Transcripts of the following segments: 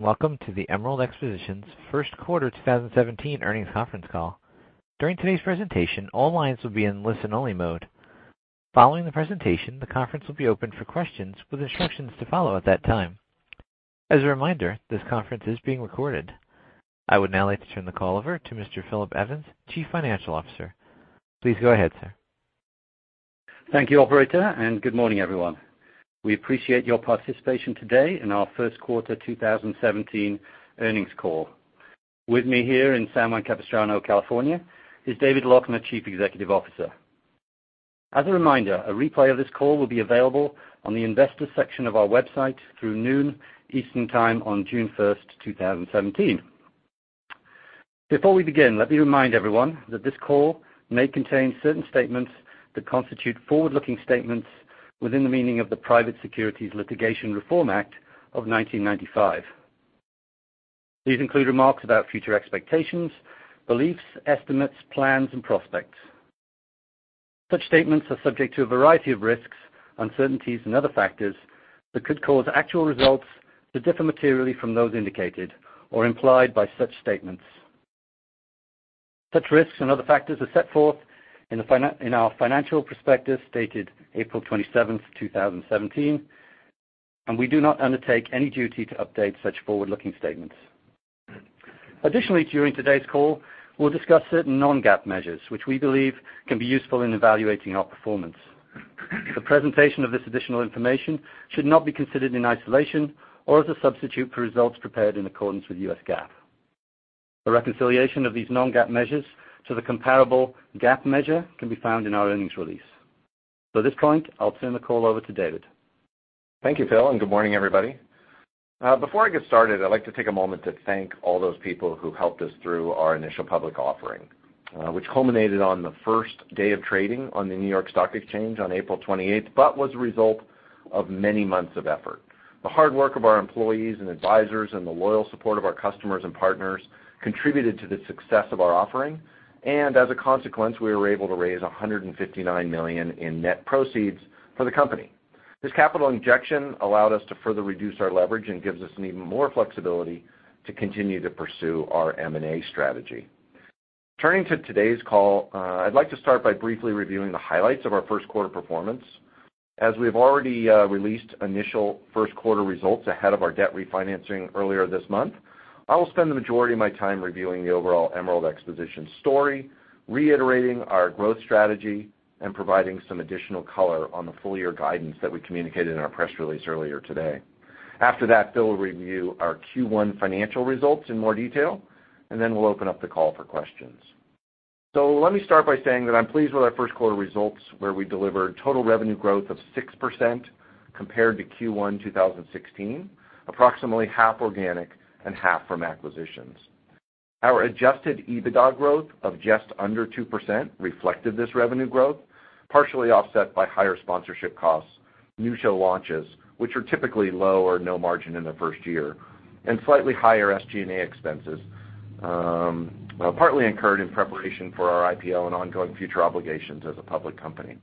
Welcome to the Emerald Expositions' first quarter 2017 earnings conference call. During today's presentation, all lines will be in listen-only mode. Following the presentation, the conference will be open for questions with instructions to follow at that time. As a reminder, this conference is being recorded. I would now like to turn the call over to Mr. Philip Evans, Chief Financial Officer. Please go ahead, sir. Thank you, operator, and good morning, everyone. We appreciate your participation today in our first quarter 2017 earnings call. With me here in San Juan Capistrano, California, is David Loechner, Chief Executive Officer. As a reminder, a replay of this call will be available on the Investors section of our website through noon Eastern Time on June 1st, 2017. Before we begin, let me remind everyone that this call may contain certain statements that constitute forward-looking statements within the meaning of the Private Securities Litigation Reform Act of 1995. These include remarks about future expectations, beliefs, estimates, plans, and prospects. Such statements are subject to a variety of risks, uncertainties, and other factors that could cause actual results to differ materially from those indicated or implied by such statements. Such risks and other factors are set forth in our financial prospectus dated April 27th, 2017. We do not undertake any duty to update such forward-looking statements. Additionally, during today's call, we'll discuss certain non-GAAP measures, which we believe can be useful in evaluating our performance. The presentation of this additional information should not be considered in isolation or as a substitute for results prepared in accordance with U.S. GAAP. A reconciliation of these non-GAAP measures to the comparable GAAP measure can be found in our earnings release. At this point, I'll turn the call over to David. Thank you, Phil, and good morning, everybody. Before I get started, I'd like to take a moment to thank all those people who helped us through our initial public offering, which culminated on the first day of trading on the New York Stock Exchange on April 28th, but was a result of many months of effort. The hard work of our employees and advisors and the loyal support of our customers and partners contributed to the success of our offering. As a consequence, we were able to raise $159 million in net proceeds for the company. This capital injection allowed us to further reduce our leverage and gives us even more flexibility to continue to pursue our M&A strategy. Turning to today's call, I'd like to start by briefly reviewing the highlights of our first quarter performance. As we've already released initial first quarter results ahead of our debt refinancing earlier this month, I will spend the majority of my time reviewing the overall Emerald Expositions story, reiterating our growth strategy, and providing some additional color on the full-year guidance that we communicated in our press release earlier today. After that, Phil will review our Q1 financial results in more detail, and then we'll open up the call for questions. Let me start by saying that I'm pleased with our first quarter results, where we delivered total revenue growth of 6% compared to Q1 2016, approximately half organic and half from acquisitions. Our adjusted EBITDA growth of just under 2% reflected this revenue growth, partially offset by higher sponsorship costs, new show launches, which are typically low or no margin in the first year, and slightly higher SG&A expenses, partly incurred in preparation for our IPO and ongoing future obligations as a public company.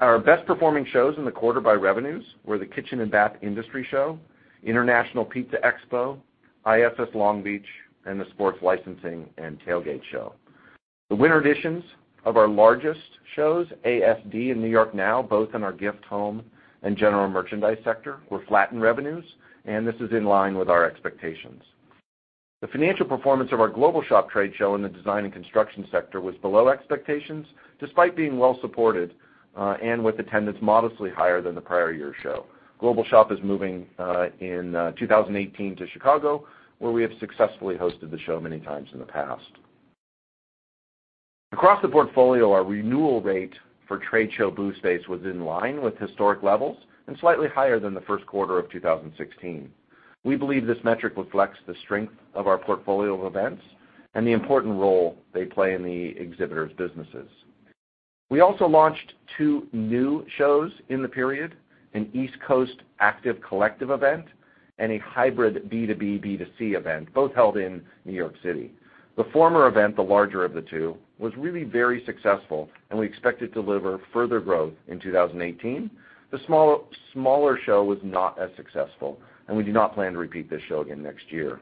Our best-performing shows in the quarter by revenues were the Kitchen & Bath Industry Show, International Pizza Expo, Impressions Expo Long Beach, and the Sports Licensing & Tailgate Show. The winter editions of our largest shows, ASD and NY NOW, both in our gift home and general merchandise sector, were flat in revenues, and this is in line with our expectations. The financial performance of our GlobalShop trade show in the design and construction sector was below expectations, despite being well-supported, and with attendance modestly higher than the prior year's show. GlobalShop is moving in 2018 to Chicago, where we have successfully hosted the show many times in the past. Across the portfolio, our renewal rate for trade show booth space was in line with historic levels and slightly higher than the first quarter of 2016. We believe this metric reflects the strength of our portfolio of events and the important role they play in the exhibitors' businesses. We also launched two new shows in the period, an East Coast Active Collective event and a hybrid B2B, B2C event, both held in New York City. The former event, the larger of the two, was really very successful, and we expect it to deliver further growth in 2018. The smaller show was not as successful, and we do not plan to repeat this show again next year.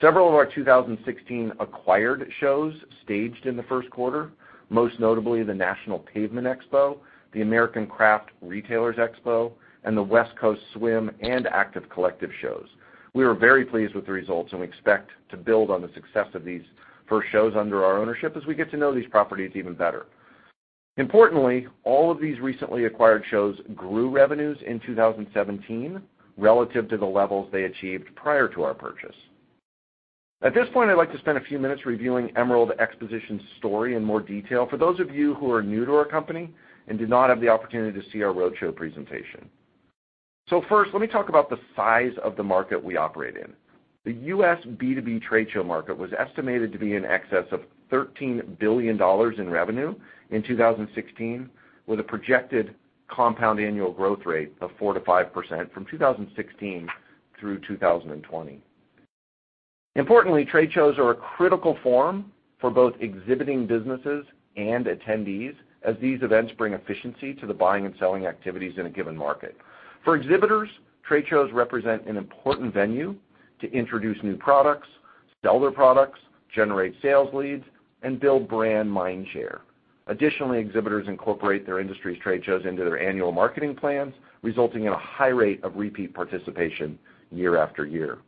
Several of our 2016 acquired shows staged in the first quarter, most notably the National Pavement Expo, the American Craft Retailers Expo, and the West Coast Swim Collective and Active Collective shows. We were very pleased with the results and we expect to build on the success of these first shows under our ownership as we get to know these properties even better. Importantly, all of these recently acquired shows grew revenues in 2017 relative to the levels they achieved prior to our purchase. At this point, I'd like to spend a few minutes reviewing Emerald Expositions' story in more detail for those of you who are new to our company and did not have the opportunity to see our roadshow presentation. First, let me talk about the size of the market we operate in. The U.S. B2B trade show market was estimated to be in excess of $13 billion in revenue in 2016, with a projected compound annual growth rate of 4%-5% from 2016 through 2020. Importantly, trade shows are a critical form for both exhibiting businesses and attendees, as these events bring efficiency to the buying and selling activities in a given market. For exhibitors, trade shows represent an important venue to introduce new products, sell their products, generate sales leads, and build brand mindshare. Additionally, exhibitors incorporate their industry's trade shows into their annual marketing plans, resulting in a high rate of repeat participation year after year.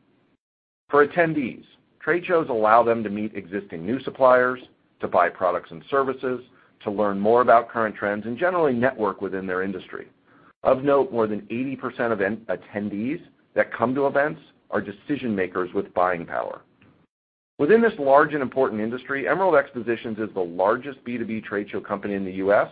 For attendees, trade shows allow them to meet existing new suppliers, to buy products and services, to learn more about current trends, and generally network within their industry. Of note, more than 80% of attendees that come to events are decision-makers with buying power. Within this large and important industry, Emerald Expositions is the largest B2B trade show company in the U.S.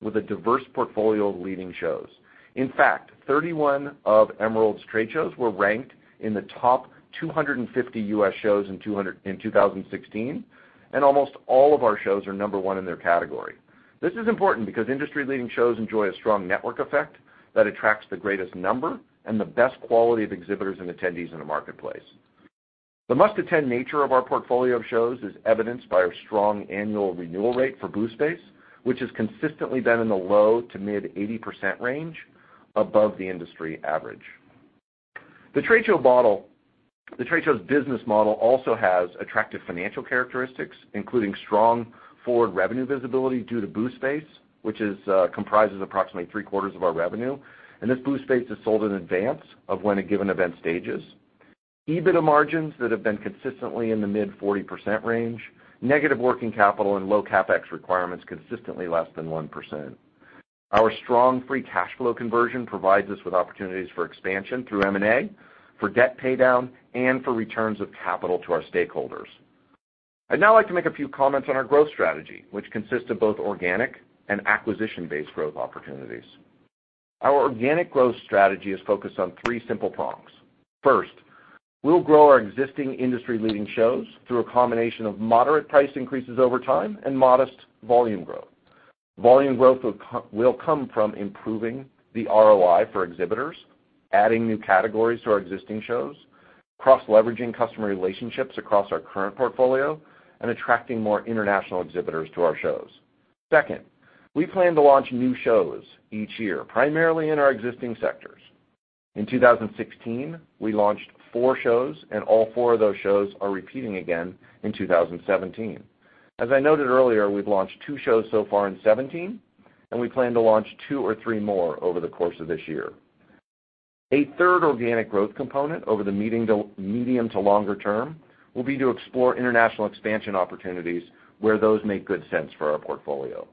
with a diverse portfolio of leading shows. In fact, 31 of Emerald's trade shows were ranked in the top 250 U.S. shows in 2016, and almost all of our shows are number 1 in their category. This is important because industry-leading shows enjoy a strong network effect that attracts the greatest number and the best quality of exhibitors and attendees in a marketplace. The must-attend nature of our portfolio of shows is evidenced by our strong annual renewal rate for booth space, which has consistently been in the low to mid 80% range, above the industry average. The trade show's business model also has attractive financial characteristics, including strong forward revenue visibility due to booth space, which comprises approximately three-quarters of our revenue. This booth space is sold in advance of when a given event stages. EBITDA margins that have been consistently in the mid 40% range, negative working capital and low CapEx requirements consistently less than 1%. Our strong free cash flow conversion provides us with opportunities for expansion through M&A, for debt paydown, and for returns of capital to our stakeholders. I'd now like to make a few comments on our growth strategy, which consists of both organic and acquisition-based growth opportunities. Our organic growth strategy is focused on three simple prongs. First, we'll grow our existing industry-leading shows through a combination of moderate price increases over time and modest volume growth. Volume growth will come from improving the ROI for exhibitors, adding new categories to our existing shows, cross-leveraging customer relationships across our current portfolio, and attracting more international exhibitors to our shows. Second, we plan to launch new shows each year, primarily in our existing sectors. In 2016, we launched four shows, and all four of those shows are repeating again in 2017. As I noted earlier, we've launched two shows so far in 2017, and we plan to launch two or three more over the course of this year. A third organic growth component over the medium to longer term will be to explore international expansion opportunities where those make good sense for our portfolio.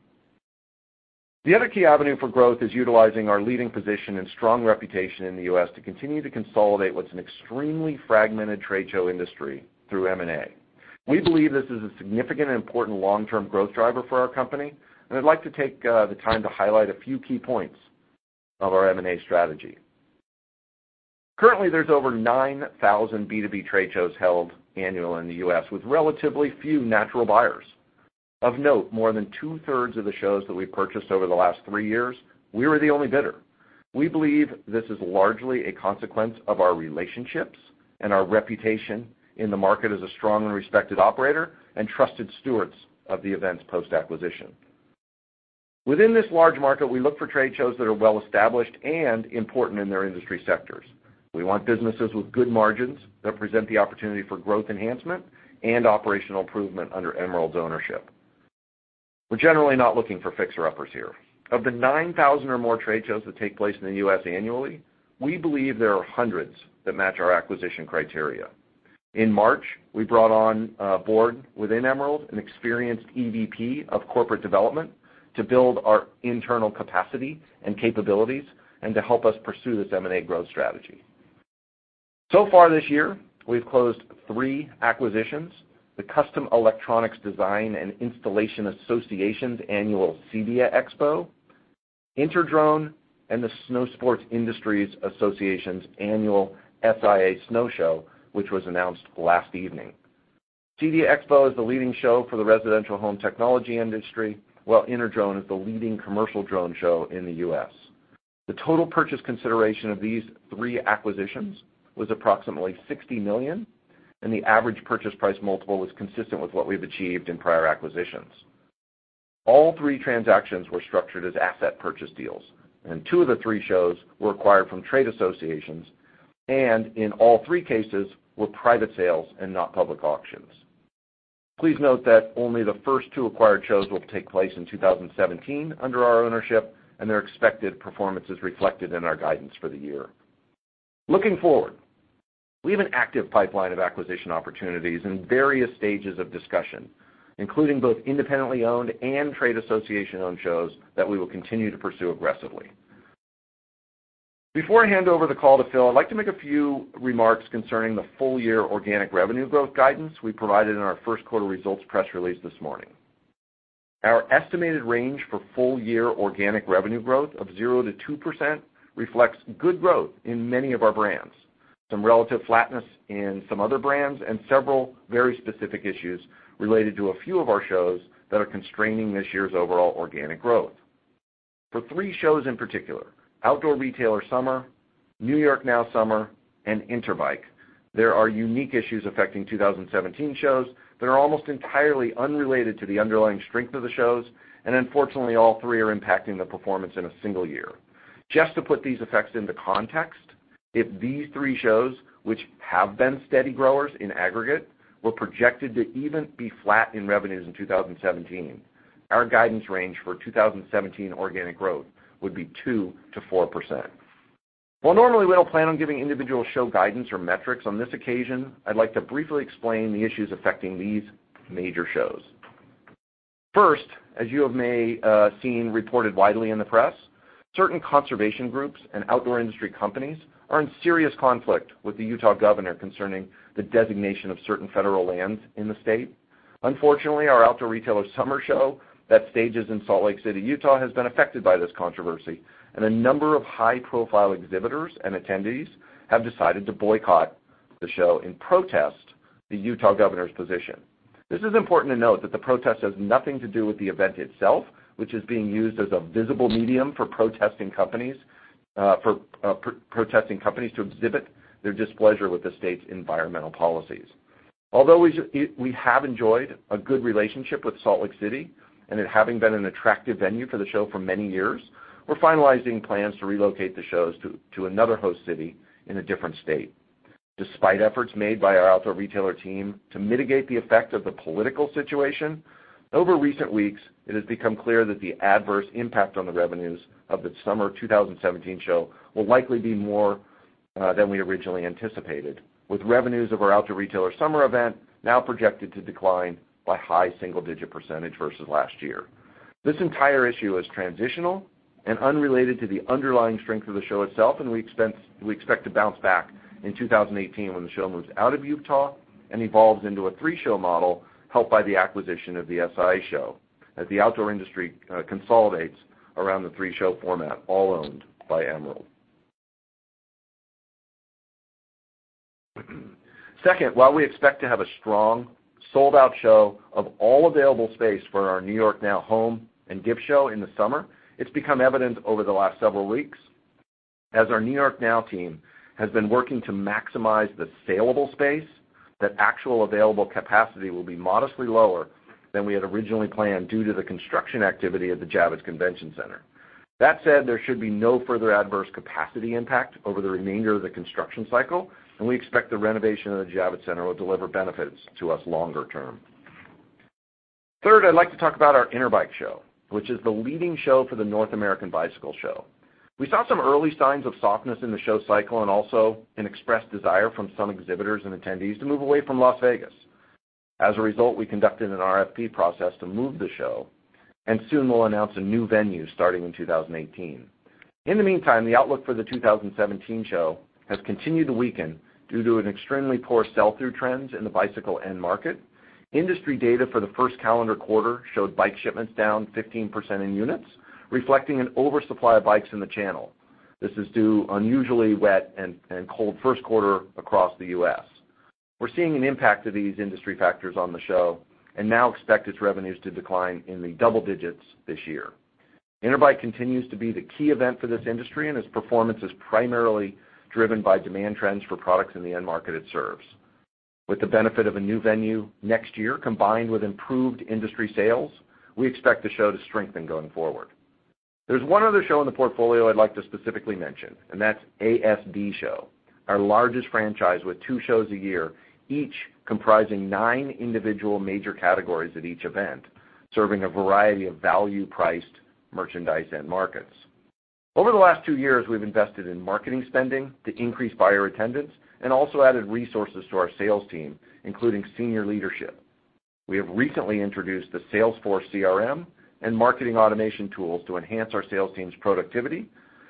The other key avenue for growth is utilizing our leading position and strong reputation in the U.S. to continue to consolidate what's an extremely fragmented trade show industry through M&A. We believe this is a significant and important long-term growth driver for our company. I'd like to take the time to highlight a few key points of our M&A strategy. Currently, there's over 9,000 B2B trade shows held annually in the U.S., with relatively few natural buyers. Of note, more than two-thirds of the shows that we've purchased over the last three years, we were the only bidder. We believe this is largely a consequence of our relationships and our reputation in the market as a strong and respected operator and trusted stewards of the events post-acquisition. Within this large market, we look for trade shows that are well-established and important in their industry sectors. We want businesses with good margins that present the opportunity for growth enhancement and operational improvement under Emerald's ownership. We're generally not looking for fixer-uppers here. Of the 9,000 or more trade shows that take place in the U.S. annually, we believe there are hundreds that match our acquisition criteria. In March, we brought on board within Emerald an experienced EVP of corporate development to build our internal capacity and capabilities and to help us pursue this M&A growth strategy. So far this year, we've closed three acquisitions, the Custom Electronic Design & Installation Association's annual CEDIA Expo, InterDrone, and the Snowsports Industries America's annual SIA Snow Show, which was announced last evening. CEDIA Expo is the leading show for the residential home technology industry, while InterDrone is the leading commercial drone show in the U.S. The total purchase consideration of these three acquisitions was approximately $60 million. The average purchase price multiple was consistent with what we've achieved in prior acquisitions. All three transactions were structured as asset purchase deals. Two of the three shows were acquired from trade associations. In all three cases were private sales and not public auctions. Please note that only the first two acquired shows will take place in 2017 under our ownership. Their expected performance is reflected in our guidance for the year. Looking forward, we have an active pipeline of acquisition opportunities in various stages of discussion, including both independently owned and trade association-owned shows that we will continue to pursue aggressively. Before I hand over the call to Phil, I'd like to make a few remarks concerning the full-year organic revenue growth guidance we provided in our first quarter results press release this morning. Our estimated range for full-year organic revenue growth of 0%-2% reflects good growth in many of our brands, some relative flatness in some other brands, and several very specific issues related to a few of our shows that are constraining this year's overall organic growth. For three shows in particular, Outdoor Retailer Summer, NY NOW Summer, and Interbike, there are unique issues affecting 2017 shows that are almost entirely unrelated to the underlying strength of the shows, and unfortunately, all three are impacting the performance in a single year. Just to put these effects into context, if these three shows, which have been steady growers in aggregate, were projected to even be flat in revenues in 2017, our guidance range for 2017 organic growth would be 2%-4%. While normally we don't plan on giving individual show guidance or metrics, on this occasion, I'd like to briefly explain the issues affecting these major shows. First, as you may have seen reported widely in the press, certain conservation groups and outdoor industry companies are in serious conflict with the Utah governor concerning the designation of certain federal lands in the state. Unfortunately, our Outdoor Retailer Summer Show that stages in Salt Lake City, Utah, has been affected by this controversy, and a number of high-profile exhibitors and attendees have decided to boycott the show in protest of the Utah governor's position. This is important to note that the protest has nothing to do with the event itself, which is being used as a visible medium for protesting companies to exhibit their displeasure with the state's environmental policies. Although we have enjoyed a good relationship with Salt Lake City, and it having been an attractive venue for the show for many years, we're finalizing plans to relocate the shows to another host city in a different state. Despite efforts made by our Outdoor Retailer team to mitigate the effect of the political situation, over recent weeks, it has become clear that the adverse impact on the revenues of the Summer 2017 show will likely be more than we originally anticipated, with revenues of our Outdoor Retailer Summer event now projected to decline by high single-digit % versus last year. This entire issue is transitional and unrelated to the underlying strength of the show itself. We expect to bounce back in 2018 when the show moves out of Utah and evolves into a three-show model helped by the acquisition of the SIA show as the outdoor industry consolidates around the three-show format, all owned by Emerald. Second, while we expect to have a strong, sold-out show of all available space for our New York NOW Home and Gift Show in the summer, it's become evident over the last several weeks, as our New York NOW team has been working to maximize the saleable space, that actual available capacity will be modestly lower than we had originally planned due to the construction activity at the Javits Convention Center. That said, there should be no further adverse capacity impact over the remainder of the construction cycle. We expect the renovation of the Javits Center will deliver benefits to us longer term. Third, I'd like to talk about our Interbike show, which is the leading show for the North American bicycle show. We saw some early signs of softness in the show cycle and also an expressed desire from some exhibitors and attendees to move away from Las Vegas. As a result, we conducted an RFP process to move the show. Soon we'll announce a new venue starting in 2018. In the meantime, the outlook for the 2017 show has continued to weaken due to extremely poor sell-through trends in the bicycle end market. Industry data for the first calendar quarter showed bike shipments down 15% in units, reflecting an oversupply of bikes in the channel. This is due to an unusually wet and cold first quarter across the U.S. We're seeing an impact of these industry factors on the show and now expect its revenues to decline in the double digits this year. Interbike continues to be the key event for this industry, and its performance is primarily driven by demand trends for products in the end market it serves. With the benefit of a new venue next year, combined with improved industry sales, we expect the show to strengthen going forward. There's one other show in the portfolio I'd like to specifically mention, and that's ASD Show, our largest franchise with two shows a year, each comprising nine individual major categories at each event, serving a variety of value-priced merchandise and markets. Over the last two years, we've invested in marketing spending to increase buyer attendance and also added resources to our sales team, including senior leadership. We have recently introduced the Salesforce CRM and marketing automation tools to enhance our sales team's productivity,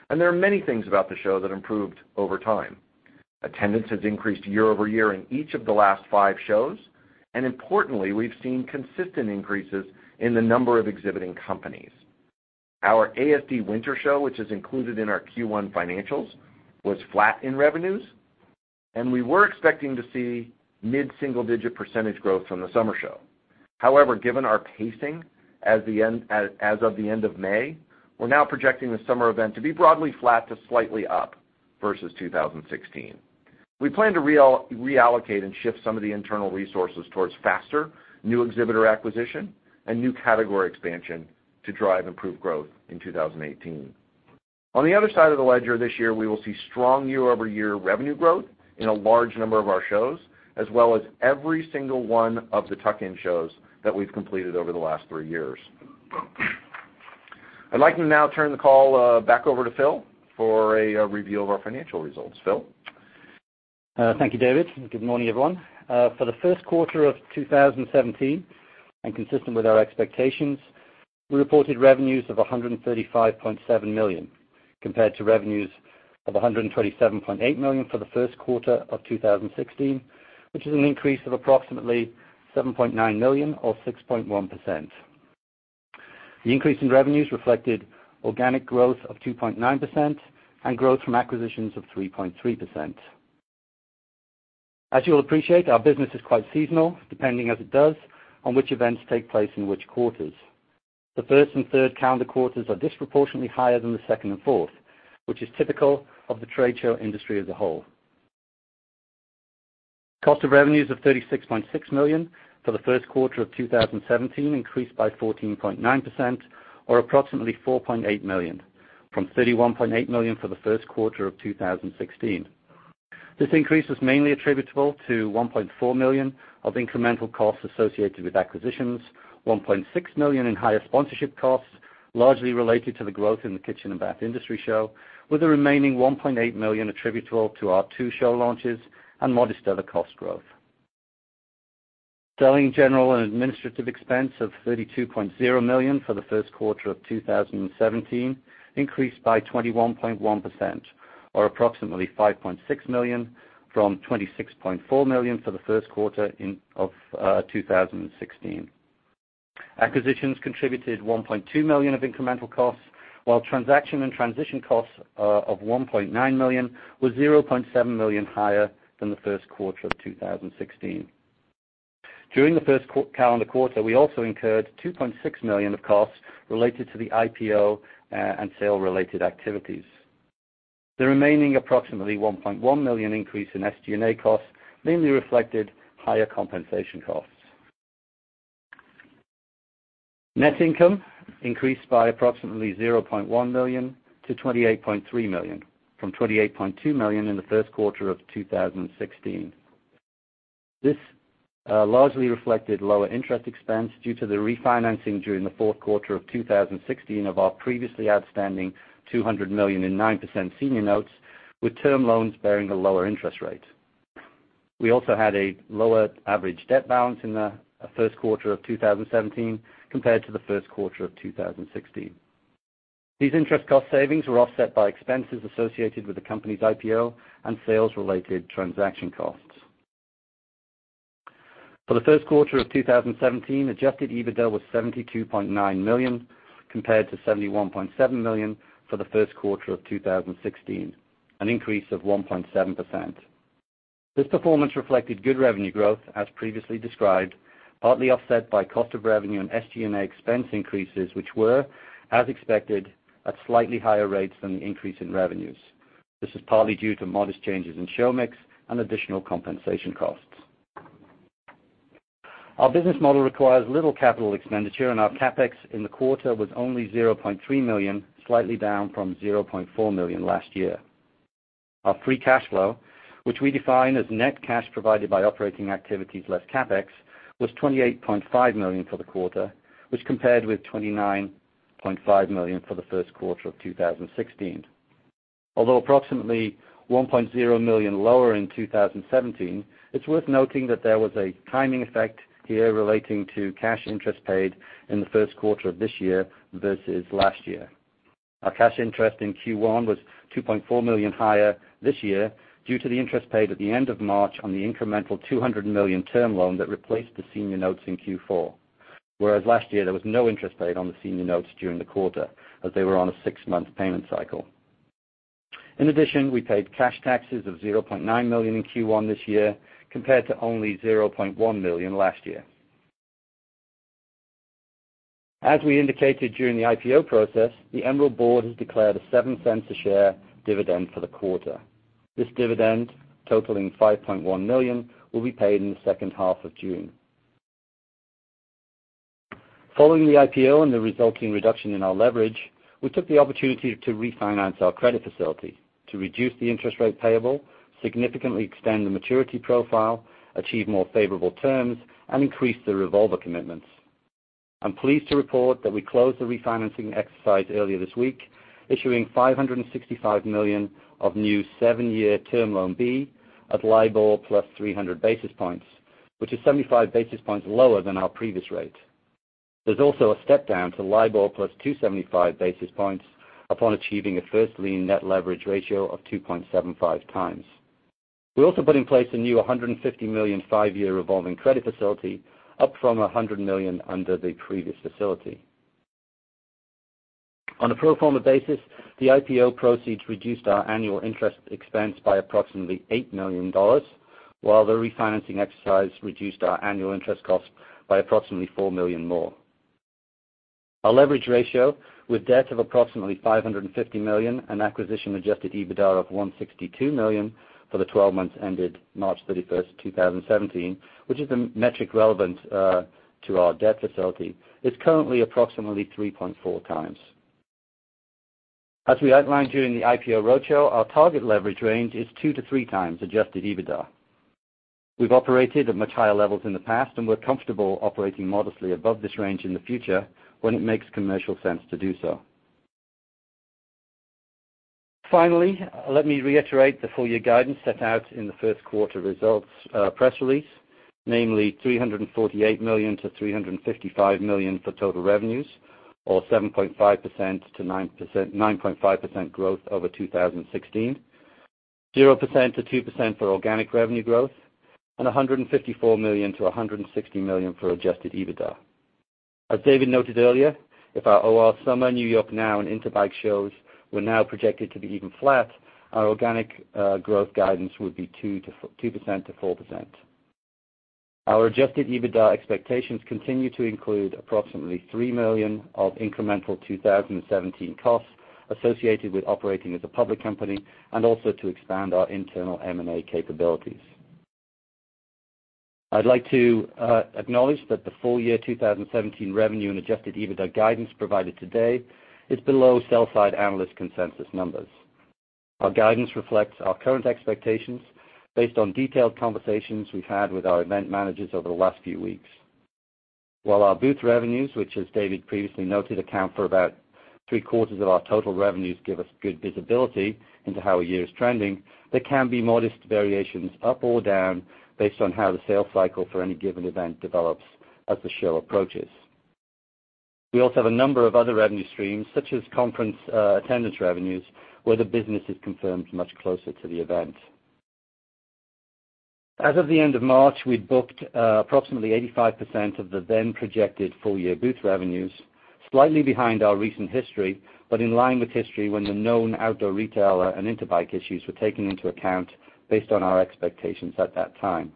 and there are many things about the show that improved over time. Attendance has increased year-over-year in each of the last five shows, and importantly, we've seen consistent increases in the number of exhibiting companies. Our ASD Winter Show, which is included in our Q1 financials, was flat in revenues, and we were expecting to see mid-single-digit % growth from the summer show. However, given our pacing as of the end of May, we're now projecting the summer event to be broadly flat to slightly up versus 2016. We plan to reallocate and shift some of the internal resources towards faster new exhibitor acquisition and new category expansion to drive improved growth in 2018. On the other side of the ledger this year, we will see strong year-over-year revenue growth in a large number of our shows, as well as every single one of the tuck-in shows that we've completed over the last three years. I'd like to now turn the call back over to Phil for a review of our financial results. Phil? Thank you, David. Good morning, everyone. For the first quarter of 2017, and consistent with our expectations, we reported revenues of $135.7 million, compared to revenues of $127.8 million for the first quarter of 2016, which is an increase of approximately $7.9 million, or 6.1%. The increase in revenues reflected organic growth of 2.9% and growth from acquisitions of 3.3%. As you'll appreciate, our business is quite seasonal, depending as it does on which events take place in which quarters. The first and third calendar quarters are disproportionately higher than the second and fourth, which is typical of the trade show industry as a whole. Cost of revenues of $36.6 million for the first quarter of 2017 increased by 14.9%, or approximately $4.8 million, from $31.8 million for the first quarter of 2016. This increase was mainly attributable to $1.4 million of incremental costs associated with acquisitions, $1.6 million in higher sponsorship costs, largely related to the growth in the Kitchen & Bath Industry Show, with the remaining $1.8 million attributable to our two show launches and modest other cost growth. Selling, general, and administrative expense of $32.0 million for the first quarter of 2017 increased by 21.1%, or approximately $5.6 million, from $26.4 million for the first quarter of 2016. Acquisitions contributed $1.2 million of incremental costs, while transaction and transition costs of $1.9 million were $0.7 million higher than the first quarter of 2016. During the first calendar quarter, we also incurred $2.6 million of costs related to the IPO and sale-related activities. The remaining approximately $1.1 million increase in SG&A costs mainly reflected higher compensation costs. Net income increased by approximately $0.1 million to $28.3 million, from $28.2 million in the first quarter of 2016. This largely reflected lower interest expense due to the refinancing during the fourth quarter of 2016 of our previously outstanding $200 million in 9% senior notes, with term loans bearing a lower interest rate. We also had a lower average debt balance in the first quarter of 2017 compared to the first quarter of 2016. These interest cost savings were offset by expenses associated with the company's IPO and sales-related transaction costs. For the first quarter of 2017, adjusted EBITDA was $72.9 million, compared to $71.7 million for the first quarter of 2016, an increase of 1.7%. This performance reflected good revenue growth, as previously described, partly offset by cost of revenue and SG&A expense increases, which were, as expected, at slightly higher rates than the increase in revenues. This is partly due to modest changes in show mix and additional compensation costs. Our business model requires little capital expenditure, and our CapEx in the quarter was only $0.3 million, slightly down from $0.4 million last year. Our free cash flow, which we define as net cash provided by operating activities less CapEx, was $28.5 million for the quarter, which compared with $29.5 million for the first quarter of 2016. Although approximately $1.0 million lower in 2017, it's worth noting that there was a timing effect here relating to cash interest paid in the first quarter of this year versus last year. Our cash interest in Q1 was $2.4 million higher this year due to the interest paid at the end of March on the incremental $200 million term loan that replaced the senior notes in Q4. Whereas last year, there was no interest paid on the senior notes during the quarter, as they were on a six-month payment cycle. In addition, we paid cash taxes of $0.9 million in Q1 this year, compared to only $0.1 million last year. As we indicated during the IPO process, the Emerald board has declared a $0.07 a share dividend for the quarter. This dividend, totaling $5.1 million, will be paid in the second half of June. Following the IPO and the resulting reduction in our leverage, we took the opportunity to refinance our credit facility to reduce the interest rate payable, significantly extend the maturity profile, achieve more favorable terms, and increase the revolver commitments. I'm pleased to report that we closed the refinancing exercise earlier this week, issuing $565 million of new seven-year Term Loan B at LIBOR plus 300 basis points, which is 75 basis points lower than our previous rate. There's also a step down to LIBOR plus 275 basis points upon achieving a first lien net leverage ratio of 2.75 times. We also put in place a new $150 million five-year revolving credit facility, up from $100 million under the previous facility. On a pro forma basis, the IPO proceeds reduced our annual interest expense by approximately $8 million, while the refinancing exercise reduced our annual interest costs by approximately $4 million more. Our leverage ratio, with debt of approximately $550 million and acquisition-adjusted EBITDA of $162 million for the 12 months ended March 31st, 2017, which is the metric relevant to our debt facility, is currently approximately 3.4 times. As we outlined during the IPO roadshow, our target leverage range is two to three times adjusted EBITDA. We've operated at much higher levels in the past, and we're comfortable operating modestly above this range in the future when it makes commercial sense to do so. Finally, let me reiterate the full year guidance set out in the first quarter results press release, namely $348 million-$355 million for total revenues, or 7.5%-9.5% growth over 2016, 0%-2% for organic revenue growth, and $154 million-$160 million for adjusted EBITDA. As David noted earlier, if our OR Summer, NY NOW and Interbike shows were now projected to be even flat, our organic growth guidance would be 2%-4%. Our adjusted EBITDA expectations continue to include approximately $3 million of incremental 2017 costs associated with operating as a public company and also to expand our internal M&A capabilities. I'd like to acknowledge that the full year 2017 revenue and adjusted EBITDA guidance provided today is below sell-side analyst consensus numbers. Our guidance reflects our current expectations based on detailed conversations we've had with our event managers over the last few weeks. While our booth revenues, which as David previously noted, account for about three-quarters of our total revenues give us good visibility into how a year is trending, there can be modest variations up or down based on how the sales cycle for any given event develops as the show approaches. We also have a number of other revenue streams, such as conference attendance revenues, where the business is confirmed much closer to the event. As of the end of March, we'd booked approximately 85% of the then projected full-year booth revenues, slightly behind our recent history, but in line with history when the known Outdoor Retailer and Interbike issues were taken into account based on our expectations at that time.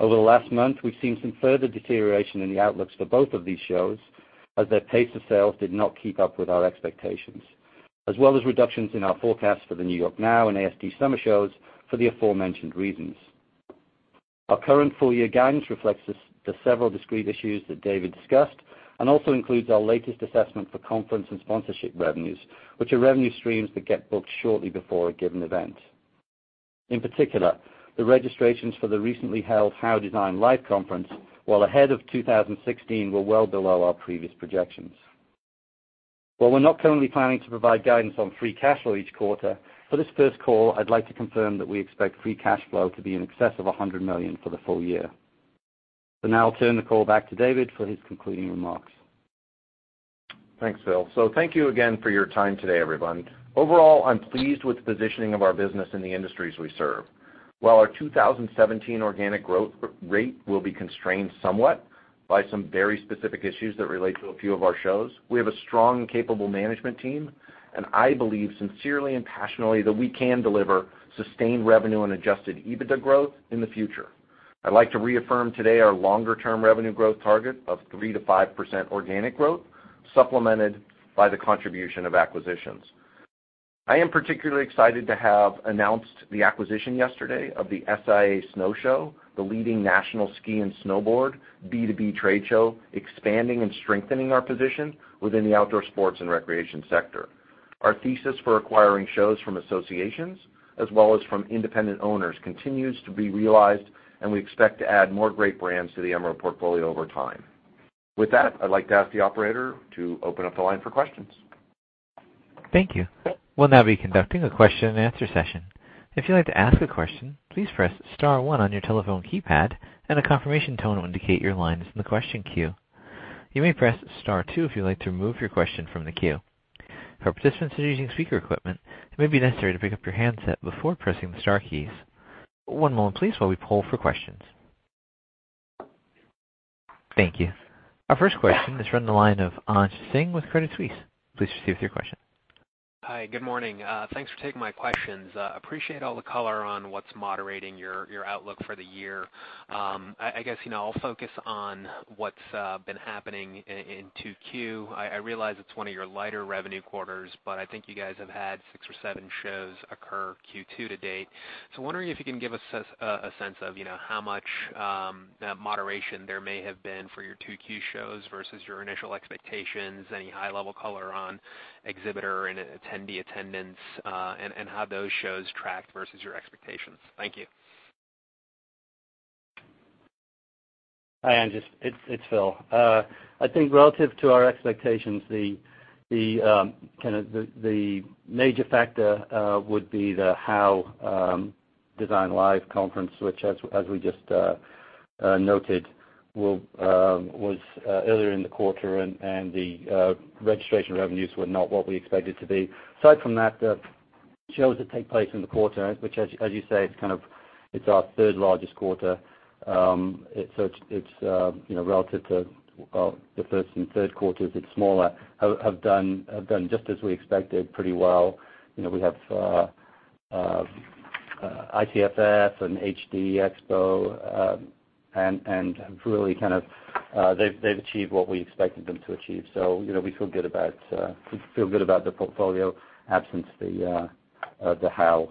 Over the last month, we've seen some further deterioration in the outlooks for both of these shows as their pace of sales did not keep up with our expectations, as well as reductions in our forecast for the NY NOW and ASD Market Week for the aforementioned reasons. Our current full-year guidance reflects the several discrete issues that David discussed and also includes our latest assessment for conference and sponsorship revenues, which are revenue streams that get booked shortly before a given event. In particular, the registrations for the recently held HOW Design Live conference, while ahead of 2016, were well below our previous projections. While we're not currently planning to provide guidance on free cash flow each quarter, for this first call, I'd like to confirm that we expect free cash flow to be in excess of $100 million for the full year. Now I'll turn the call back to David for his concluding remarks. Thanks, Phil. Thank you again for your time today, everyone. Overall, I'm pleased with the positioning of our business in the industries we serve. While our 2017 organic growth rate will be constrained somewhat by some very specific issues that relate to a few of our shows, we have a strong and capable management team, and I believe sincerely and passionately that we can deliver sustained revenue and adjusted EBITDA growth in the future. I'd like to reaffirm today our longer-term revenue growth target of 3%-5% organic growth, supplemented by the contribution of acquisitions. I am particularly excited to have announced the acquisition yesterday of the SIA Snow Show, the leading national ski and snowboard B2B trade show, expanding and strengthening our position within the outdoor sports and recreation sector. Our thesis for acquiring shows from associations as well as from independent owners continues to be realized. We expect to add more great brands to the Emerald portfolio over time. With that, I'd like to ask the operator to open up the line for questions. Thank you. We'll now be conducting a question and answer session. If you'd like to ask a question, please press *1 on your telephone keypad and a confirmation tone will indicate your line is in the question queue. You may press *2 if you'd like to remove your question from the queue. For participants that are using speaker equipment, it may be necessary to pick up your handset before pressing the star keys. One moment please while we poll for questions. Thank you. Our first question is from the line of Anj Singh with Credit Suisse. Please proceed with your question. Hi. Good morning. Thanks for taking my questions. Appreciate all the color on what's moderating your outlook for the year. I'll focus on what's been happening in 2Q. I realize it's one of your lighter revenue quarters, but I think you guys have had six or seven shows occur 2Q to date. Wondering if you can give us a sense of how much moderation there may have been for your 2Q shows versus your initial expectations, any high-level color on exhibitor and attendee attendance, and how those shows tracked versus your expectations. Thank you. Hi, Anshul Singh. It's Phil. I think relative to our expectations, the major factor would be the HOW Design Live conference, which as we just noted, was earlier in the quarter, and the registration revenues were not what we expected to be. Aside from that, the shows that take place in the quarter, which as you say, it's our third largest quarter, it's relative to the first and third quarters, it's smaller, have done just as we expected, pretty well. We have ICFF and HD Expo, and they've achieved what we expected them to achieve. We feel good about the portfolio absent the HOW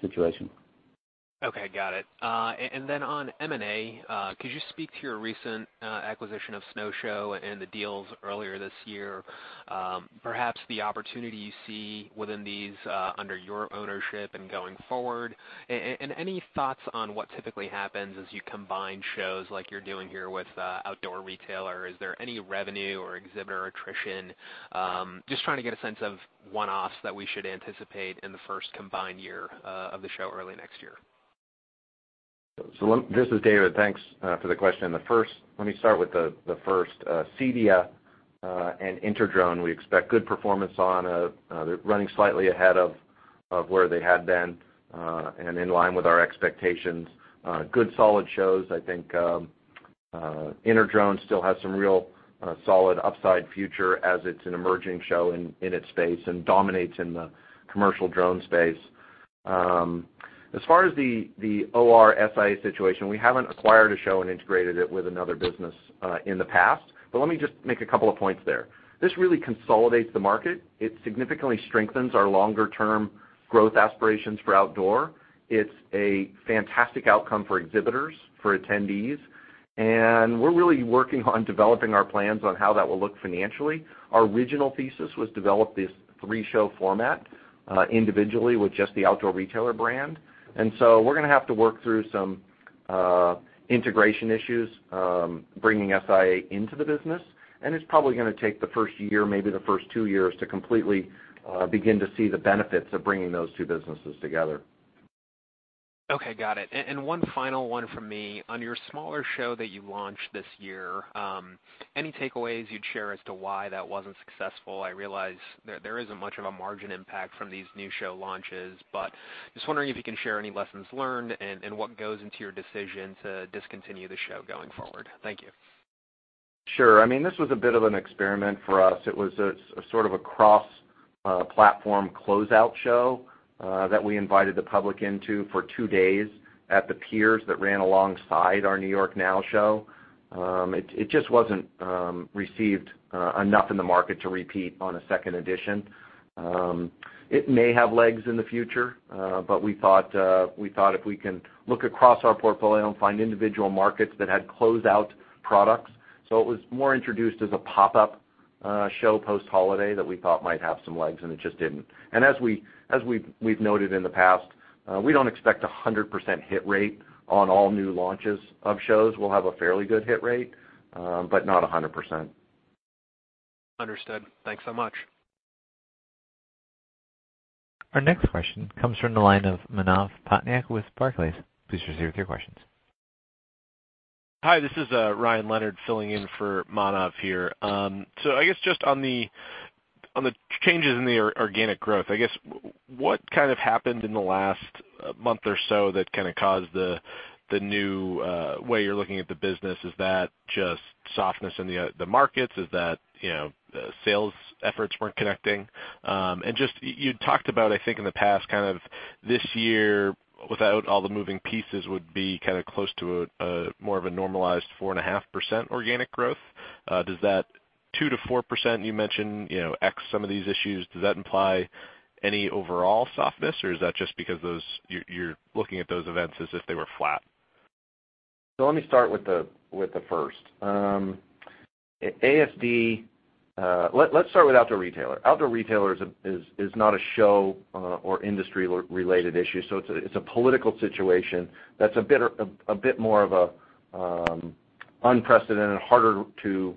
situation. Okay, got it. On M&A, could you speak to your recent acquisition of Snow Show and the deals earlier this year? Perhaps the opportunity you see within these under your ownership and going forward. Any thoughts on what typically happens as you combine shows like you're doing here with Outdoor Retailer? Is there any revenue or exhibitor attrition? Just trying to get a sense of one-offs that we should anticipate in the first combined year of the show early next year. This is David. Thanks for the question. Let me start with the first. CEDIA and InterDrone, we expect good performance on. They're running slightly ahead of where they had been and in line with our expectations. Good solid shows. I think InterDrone still has some real solid upside future as it's an emerging show in its space and dominates in the commercial drone space. As far as the ORSIA situation, we haven't acquired a show and integrated it with another business in the past, but let me just make a couple of points there. This really consolidates the market. It significantly strengthens our longer-term growth aspirations for outdoor. It's a fantastic outcome for exhibitors, for attendees, and we're really working on developing our plans on how that will look financially. Our original thesis was develop this three-show format individually with just the Outdoor Retailer brand. We're going to have to work through some integration issues, bringing SIA into the business, and it's probably going to take the first year, maybe the first two years, to completely begin to see the benefits of bringing those two businesses together. Okay, got it. One final one from me. On your smaller show that you launched this year, any takeaways you'd share as to why that wasn't successful? I realize there isn't much of a margin impact from these new show launches, but just wondering if you can share any lessons learned and what goes into your decision to discontinue the show going forward. Thank you. Sure. This was a bit of an experiment for us. It was a sort of a cross-platform closeout show that we invited the public into for two days at the piers that ran alongside our NY NOW Show. It just wasn't received enough in the market to repeat on a second edition. It may have legs in the future, but we thought if we can look across our portfolio and find individual markets that had closeout products. It was more introduced as a pop-up show post-holiday that we thought might have some legs, and it just didn't. As we've noted in the past, we don't expect 100% hit rate on all new launches of shows. We'll have a fairly good hit rate, but not 100%. Understood. Thanks so much. Our next question comes from the line of Manav Patnaik with Barclays. Please proceed with your questions. Hi, this is Ryan Leonard filling in for Manav here. I guess just on the changes in the organic growth, I guess, what kind of happened in the last month or so that kind of caused the new way you're looking at the business, is that just softness in the markets? Is that sales efforts weren't connecting? Just, you'd talked about, I think in the past, kind of this year, without all the moving pieces would be kind of close to a more of a normalized 4.5% organic growth. Does that 2%-4% you mentioned, ex some of these issues, does that imply any overall softness, or is that just because you're looking at those events as if they were flat? Let me start with the first. Let's start with Outdoor Retailer. Outdoor Retailer is not a show or industry-related issue. It's a political situation that's a bit more of an unprecedented, harder to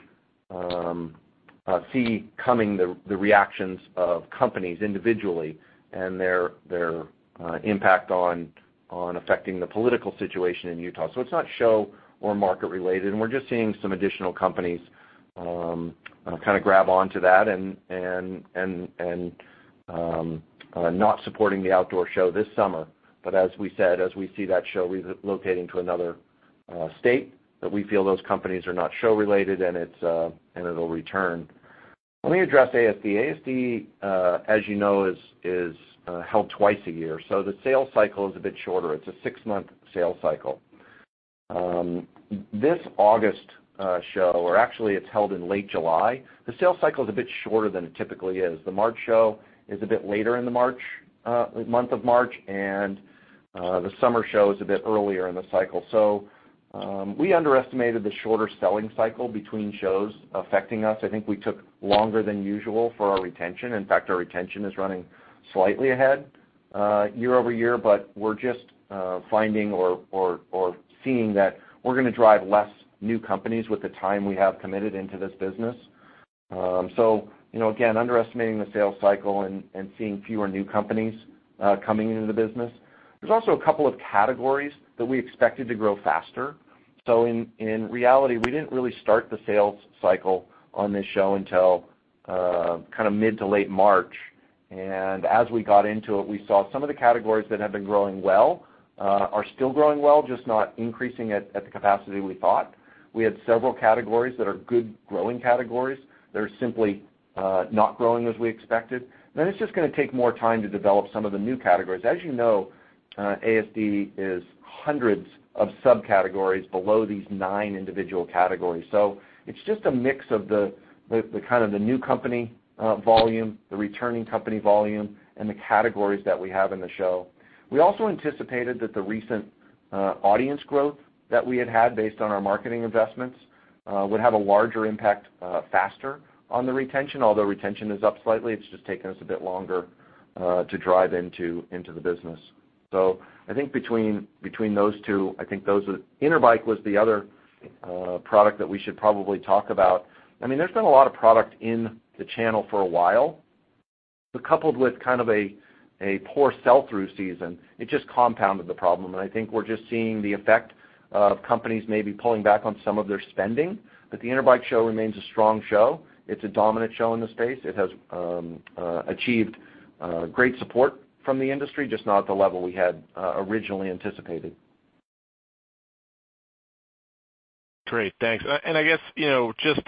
see coming, the reactions of companies individually and their impact on affecting the political situation in Utah. It's not show or market related, and we're just seeing some additional companies kind of grab onto that and not supporting the outdoor show this summer. As we said, as we see that show relocating to another state, that we feel those companies are not show related, and it'll return. Let me address ASD. ASD, as you know, is held twice a year, so the sales cycle is a bit shorter. It's a six-month sales cycle. This August show, or actually it's held in late July, the sales cycle is a bit shorter than it typically is. The March show is a bit later in the month of March, and the summer show is a bit earlier in the cycle. We underestimated the shorter selling cycle between shows affecting us. I think we took longer than usual for our retention. In fact, our retention is running slightly ahead year-over-year, we're just finding or seeing that we're going to drive less new companies with the time we have committed into this business. Again, underestimating the sales cycle and seeing fewer new companies coming into the business. There's also a couple of categories that we expected to grow faster. In reality, we didn't really start the sales cycle on this show until kind of mid to late March. As we got into it, we saw some of the categories that had been growing well are still growing well, just not increasing at the capacity we thought. We had several categories that are good growing categories that are simply not growing as we expected. It's just going to take more time to develop some of the new categories. As you know, ASD is hundreds of subcategories below these nine individual categories. It's just a mix of the kind of the new company volume, the returning company volume, and the categories that we have in the show. We also anticipated that the recent audience growth that we had had based on our marketing investments would have a larger impact faster on the retention. Although retention is up slightly, it's just taken us a bit longer to drive into the business. I think between those two, Interbike was the other product that we should probably talk about. There's been a lot of product in the channel for a while, coupled with kind of a poor sell-through season, it just compounded the problem. I think we're just seeing the effect of companies maybe pulling back on some of their spending. The Interbike show remains a strong show. It's a dominant show in the space. It has achieved great support from the industry, just not at the level we had originally anticipated. Great. Thanks. I guess, just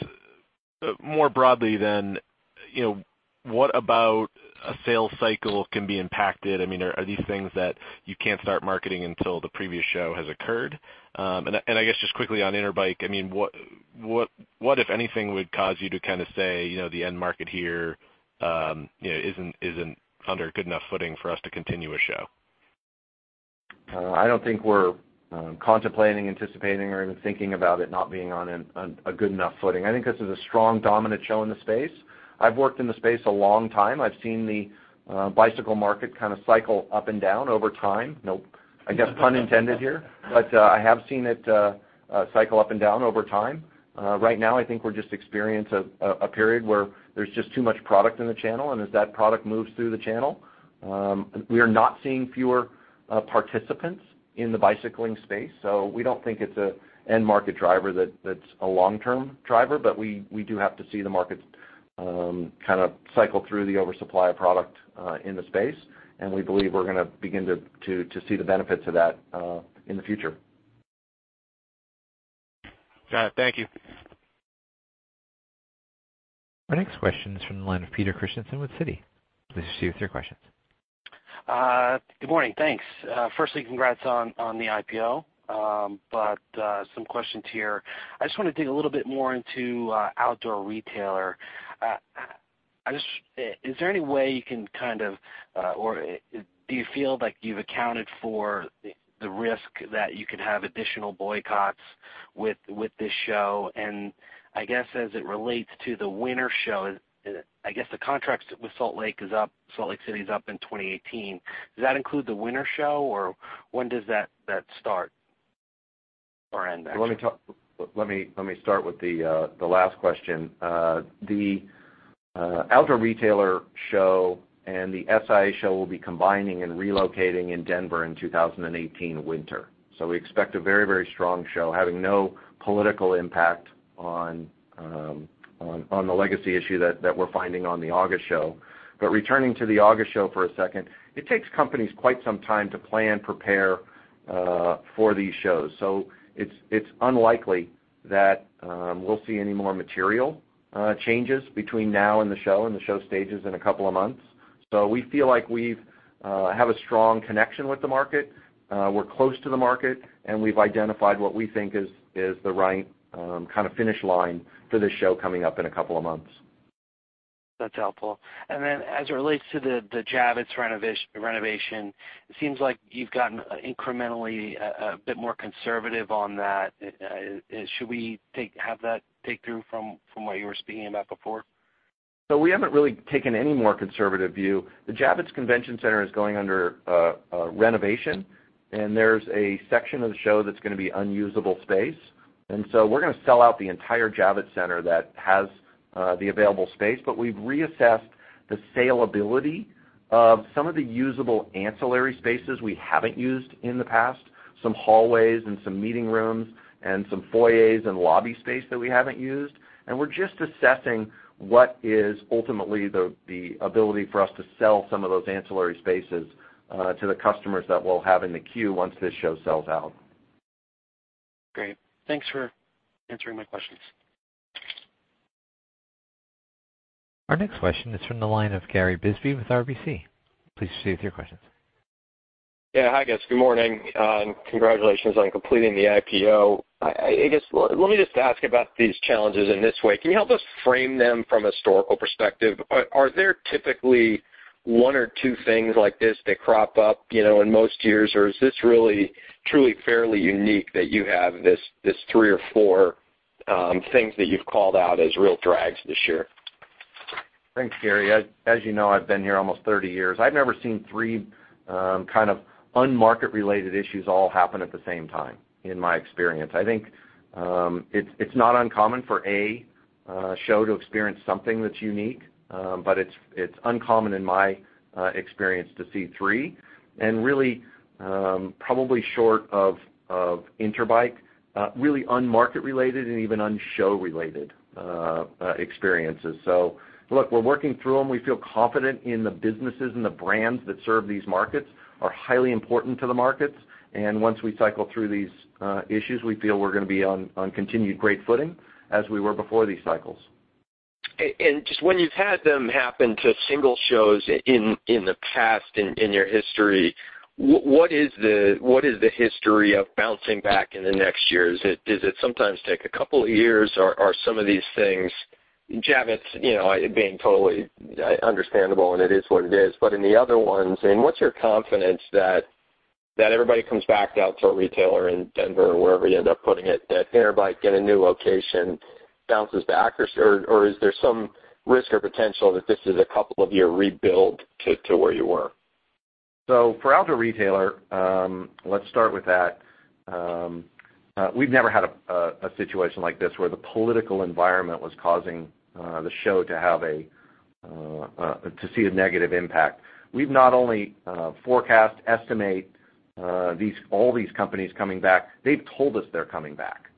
more broadly then, what about a sales cycle can be impacted? Are these things that you can't start marketing until the previous show has occurred? I guess, just quickly on Interbike, what if anything would cause you to say the end market here isn't under a good enough footing for us to continue a show? I don't think we're contemplating, anticipating, or even thinking about it not being on a good enough footing. I think this is a strong, dominant show in the space. I've worked in the space a long time. I've seen the bicycle market kind of cycle up and down over time. No pun intended here, I have seen it cycle up and down over time. Right now, I think we're just experiencing a period where there's just too much product in the channel. As that product moves through the channel, we are not seeing fewer participants in the bicycling space. We don't think it's an end market driver that's a long-term driver. We do have to see the market kind of cycle through the oversupply of product in the space. We believe we're going to begin to see the benefits of that in the future. Got it. Thank you. Our next question is from the line of Peter Christensen with Citi. Please proceed with your questions. Good morning. Thanks. Firstly, congrats on the IPO. Some questions here. I just want to dig a little bit more into Outdoor Retailer. Is there any way you can kind of, or do you feel like you've accounted for the risk that you could have additional boycotts with this show? I guess as it relates to the winter show, I guess the contracts with Salt Lake City is up in 2018. Does that include the winter show, or when does that start or end, actually? Let me start with the last question. The Outdoor Retailer show and the SIA show will be combining and relocating in Denver in 2018 winter. We expect a very strong show, having no political impact on the legacy issue that we're finding on the August show. Returning to the August show for a second, it takes companies quite some time to plan, prepare for these shows. It's unlikely that we'll see any more material changes between now and the show, and the show stages in a couple of months. We feel like we have a strong connection with the market. We're close to the market, and we've identified what we think is the right kind of finish line for this show coming up in a couple of months. That's helpful. As it relates to the Javits renovation, it seems like you've gotten incrementally a bit more conservative on that. Should we have that take through from what you were speaking about before? We haven't really taken any more conservative view. The Javits Convention Center is going under renovation, and there's a section of the show that's going to be unusable space. We're going to sell out the entire Javits Center that has the available space. We've reassessed the saleability of some of the usable ancillary spaces we haven't used in the past, some hallways and some meeting rooms and some foyers and lobby space that we haven't used. We're just assessing what is ultimately the ability for us to sell some of those ancillary spaces to the customers that we'll have in the queue once this show sells out. Great. Thanks for answering my questions. Our next question is from the line of Gary Bisbee with RBC. Please proceed with your questions. Yeah. Hi, guys. Good morning. Congratulations on completing the IPO. I guess, let me just ask about these challenges in this way. Can you help us frame them from a historical perspective? Are there typically one or two things like this that crop up in most years, or is this really, truly fairly unique that you have these three or four things that you've called out as real drags this year? Thanks, Gary. As you know, I've been here almost 30 years. I've never seen three kind of un-market related issues all happen at the same time, in my experience. I think it's not uncommon for a show to experience something that's unique. It's uncommon in my experience to see three and really, probably short of Interbike, really un-market related and even un-show related experiences. Look, we're working through them. We feel confident in the businesses and the brands that serve these markets, are highly important to the markets, and once we cycle through these issues, we feel we're going to be on continued great footing as we were before these cycles. Just when you've had them happen to single shows in the past, in your history, what is the history of bouncing back in the next year? Does it sometimes take a couple of years, or are some of these things, Javits being totally understandable and it is what it is, but in the other ones, and what's your confidence that everybody comes back to Outdoor Retailer in Denver or wherever you end up putting it, that Interbike in a new location bounces back? Is there some risk or potential that this is a couple of year rebuild to where you were? For Outdoor Retailer, let's start with that. We've never had a situation like this where the political environment was causing the show to see a negative impact. We've not only forecast, estimate all these companies coming back, they've told us they're coming back.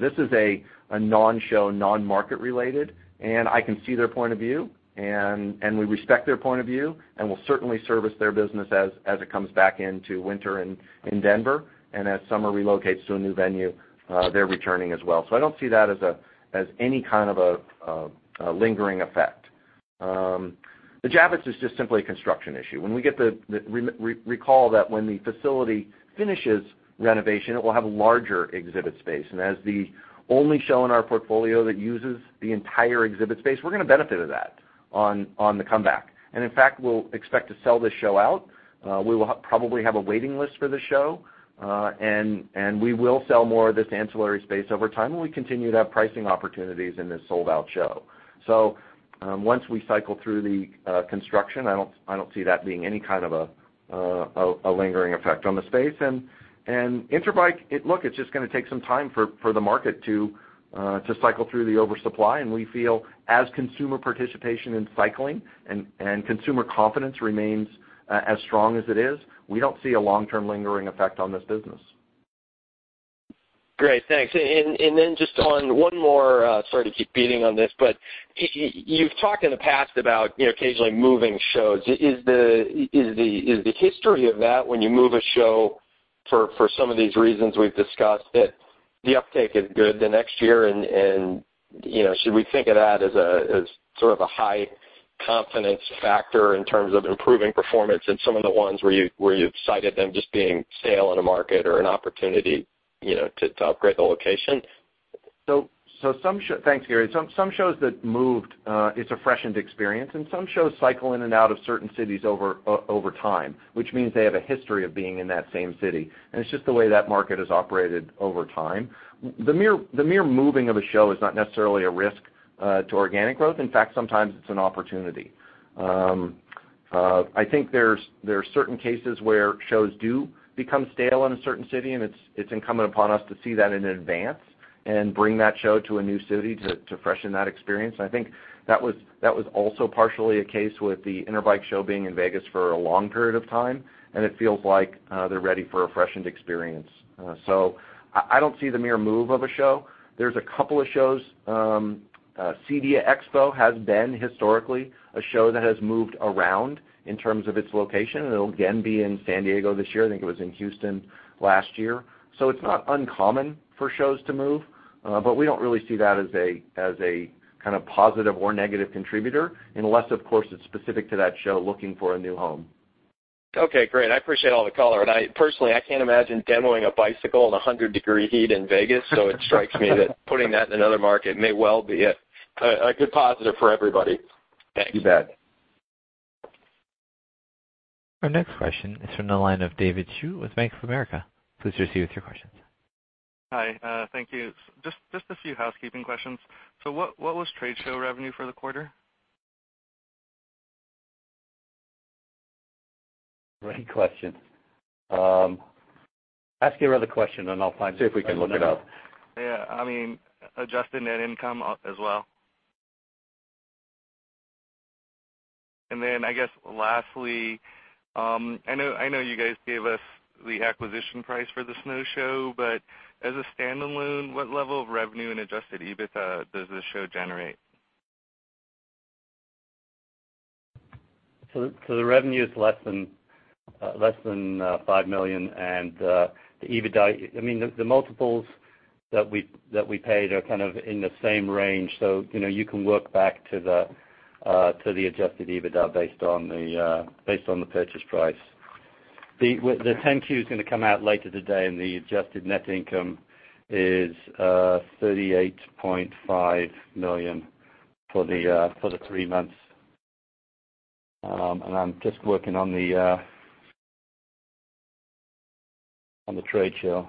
This is a non-show, non-market related, and I can see their point of view, and we respect their point of view, and we'll certainly service their business as it comes back into winter in Denver. As Summer relocates to a new venue, they're returning as well. I don't see that as any kind of a lingering effect. The Javits is just simply a construction issue. Recall that when the facility finishes renovation, it will have larger exhibit space, and as the only show in our portfolio that uses the entire exhibit space, we're going to benefit of that on the comeback. In fact, we'll expect to sell this show out. We will probably have a waiting list for the show. We will sell more of this ancillary space over time, and we continue to have pricing opportunities in this sold-out show. Once we cycle through the construction, I don't see that being any kind of a lingering effect on the space. Interbike, look, it's just going to take some time for the market to cycle through the oversupply, and we feel as consumer participation in cycling and consumer confidence remains as strong as it is, we don't see a long-term lingering effect on this business. Great. Thanks. Just on one more, sorry to keep beating on this, you've talked in the past about occasionally moving shows. Is the history of that when you move a show for some of these reasons we've discussed, that the uptake is good the next year, and should we think of that as sort of a high confidence factor in terms of improving performance in some of the ones where you've cited them just being stale in a market or an opportunity to upgrade the location? Thanks, Gary. Some shows that moved, it's a freshened experience. Some shows cycle in and out of certain cities over time, which means they have a history of being in that same city, and it's just the way that market has operated over time. The mere moving of a show is not necessarily a risk to organic growth. In fact, sometimes it's an opportunity. I think there are certain cases where shows do become stale in a certain city, and it's incumbent upon us to see that in advance and bring that show to a new city to freshen that experience. I think that was also partially a case with the Interbike Show being in Vegas for a long period of time, and it feels like they're ready for a freshened experience. I don't see the mere move of a show. There's a couple of shows, CEDIA Expo has been historically a show that has moved around in terms of its location, and it'll again be in San Diego this year. I think it was in Houston last year. It's not uncommon for shows to move. We don't really see that as a kind of positive or negative contributor, unless, of course, it's specific to that show looking for a new home. Okay, great. I appreciate all the color. Personally, I can't imagine demoing a bicycle in 100-degree heat in Vegas. It strikes me that putting that in another market may well be a good positive for everybody. Thanks. You bet. Our next question is from the line of David Hsu with Bank of America. Please proceed with your questions. Hi. Thank you. Just a few housekeeping questions. What was trade show revenue for the quarter? Great question. Ask your other question, and I'll see if we can look it up. Yeah. Adjusted net income as well. I guess lastly, I know you guys gave us the acquisition price for the Snow Show, but as a standalone, what level of revenue and adjusted EBITDA does this show generate? The revenue is less than $5 million. The EBITDA, the multiples that we paid are kind of in the same range. You can work back to the adjusted EBITDA based on the purchase price. The 10-Q is going to come out later today. The adjusted net income is $38.5 million for the 3 months. I'm just working on the trade show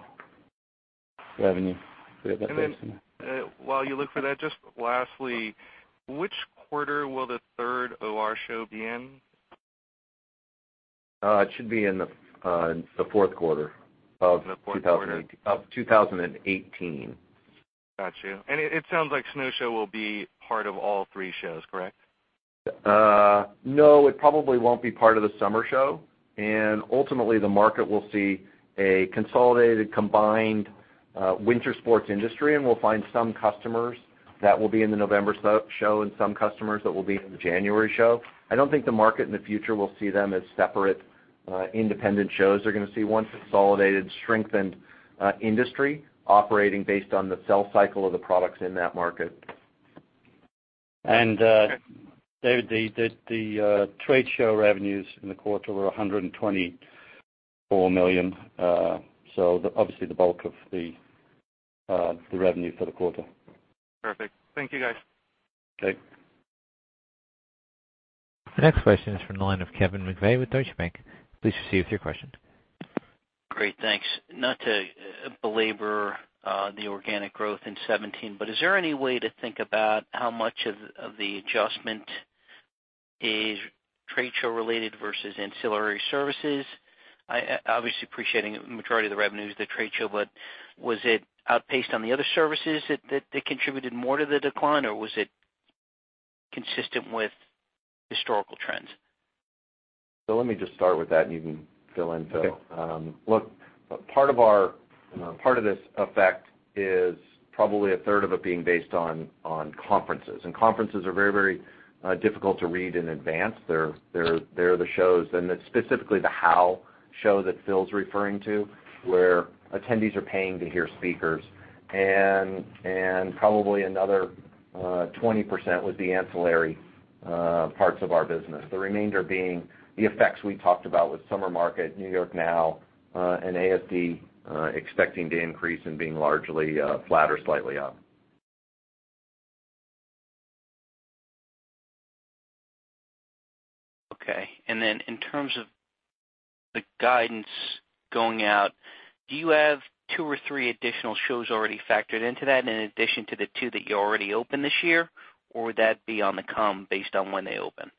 revenue. Bear with me just a minute. While you look for that, just lastly, which quarter will the 3rd OR show be in? It should be in the fourth quarter of. The fourth quarter. 2018. Got you. It sounds like Snow Show will be part of all three shows, correct? No, it probably won't be part of the Summer Show. Ultimately, the market will see a consolidated, combined winter sports industry, and we'll find some customers that will be in the November show and some customers that will be in the January show. I don't think the market in the future will see them as separate, independent shows. They're going to see one consolidated, strengthened industry operating based on the sell cycle of the products in that market. David, the trade show revenues in the quarter were $124 million, obviously the bulk of the revenue for the quarter. Perfect. Thank you, guys. Okay. The next question is from the line of Kevin McVey with Deutsche Bank. Please proceed with your question. Great. Thanks. Not to belabor the organic growth in 2017, is there any way to think about how much of the adjustment is trade show related versus ancillary services? Obviously appreciating the majority of the revenue is the trade show, was it outpaced on the other services that contributed more to the decline, or was it consistent with historical trends? Let me just start with that, and you can fill in, Phil. Okay. Look, part of this effect is probably a third of it being based on conferences. Conferences are very difficult to read in advance. They're the shows, and it's specifically the HOW Show that Phil's referring to, where attendees are paying to hear speakers. Probably another 20% was the ancillary parts of our business, the remainder being the effects we talked about with Summer Market, NY NOW, and ASD, expecting to increase and being largely flat or slightly up. Okay. In terms of the guidance going out, do you have two or three additional shows already factored into that in addition to the two that you already opened this year, or would that be on the come based on when they open?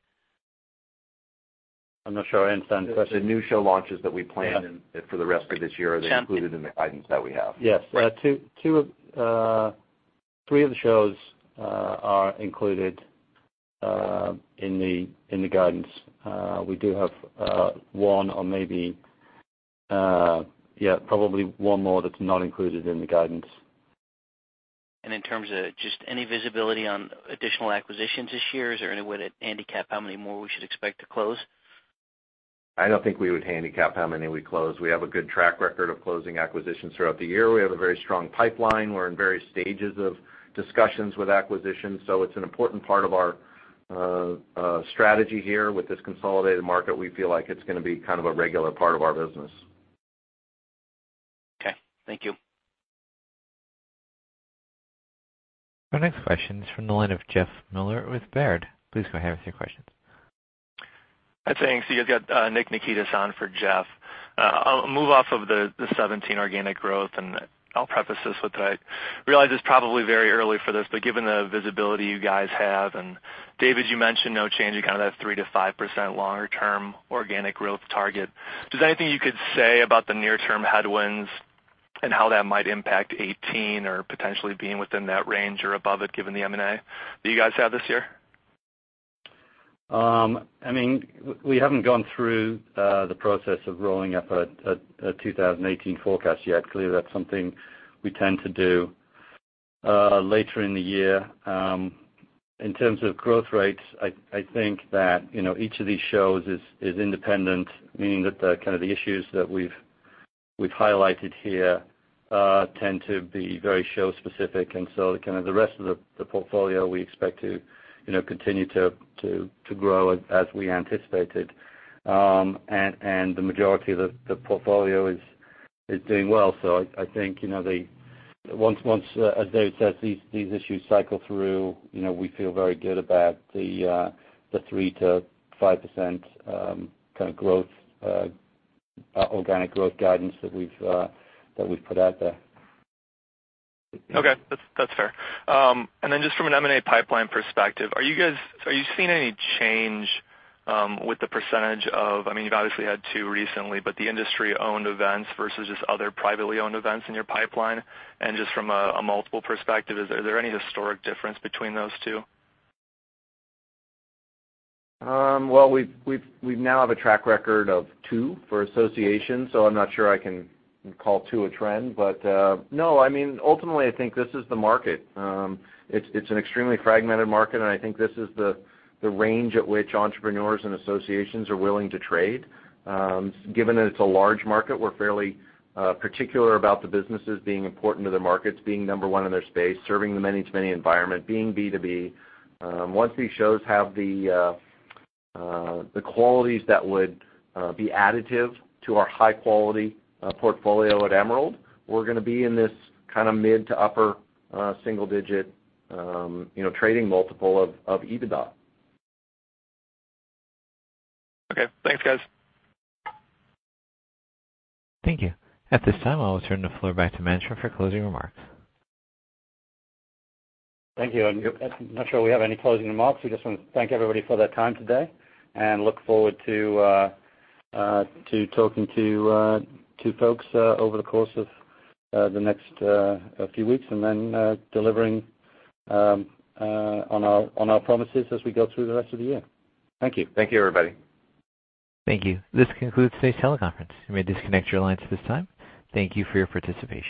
I'm not sure I understand the question. The new show launches that we plan for the rest of this year, are they included in the guidance that we have? Yes. Three of the shows are included in the guidance. We do have one or maybe, yeah, probably one more that's not included in the guidance. In terms of just any visibility on additional acquisitions this year, is there any way to handicap how many more we should expect to close? I don't think we would handicap how many we close. We have a good track record of closing acquisitions throughout the year. We have a very strong pipeline. We're in various stages of discussions with acquisitions, so it's an important part of our strategy here. With this consolidated market, we feel like it's going to be kind of a regular part of our business. Okay. Thank you. Our next question is from the line of Jeffrey Meuler with Baird. Please go ahead with your questions. Hi, thanks. You've got Nick Nikitas on for Jeff. I'll move off of the 2017 organic growth, and I'll preface this with, I realize it's probably very early for this, but given the visibility you guys have, and David, you mentioned no change to kind of that 3%-5% longer-term organic growth target. Just anything you could say about the near-term headwinds and how that might impact 2018 or potentially being within that range or above it, given the M&A that you guys have this year? We haven't gone through the process of rolling up a 2018 forecast yet. Clearly, that's something we tend to do later in the year. In terms of growth rates, I think that each of these shows is independent, meaning that the kind of the issues that we've highlighted here tend to be very show-specific. Kind of the rest of the portfolio we expect to continue to grow as we anticipated. The majority of the portfolio is doing well. I think, as Dave says, these issues cycle through, we feel very good about the 3%-5% kind of organic growth guidance that we've put out there. Okay. That's fair. From an M&A pipeline perspective, are you seeing any change with the percentage of, you've obviously had two recently, but the industry-owned events versus just other privately owned events in your pipeline? From a multiple perspective, is there any historic difference between those two? We now have a track record of two for association, so I'm not sure I can call two a trend. Ultimately, I think this is the market. It's an extremely fragmented market, and I think this is the range at which entrepreneurs and associations are willing to trade. Given that it's a large market, we're fairly particular about the businesses being important to their markets, being number one in their space, serving the many-to-many environment, being B2B. Once these shows have the qualities that would be additive to our high-quality portfolio at Emerald, we're gonna be in this kind of mid to upper single-digit trading multiple of EBITDA. Okay. Thanks, guys. Thank you. At this time, I will turn the floor back to management for closing remarks. Thank you. I'm not sure we have any closing remarks. We just want to thank everybody for their time today and look forward to talking to folks over the course of the next few weeks and then delivering on our promises as we go through the rest of the year. Thank you. Thank you, everybody. Thank you. This concludes today's teleconference. You may disconnect your lines at this time. Thank you for your participation.